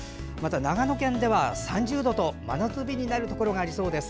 長野県では３０度と、真夏日になるところがありそうです。